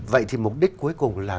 vậy thì mục đích cuối cùng là